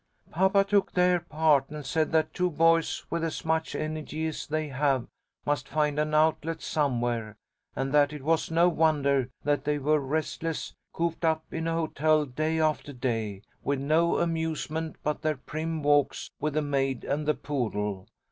"Papa took their part, and said that two boys with as much energy as they have must find an outlet somewhere, and that it was no wonder that they were restless, cooped up in a hotel day after day, with no amusement but their prim walks with the maid and the poodle.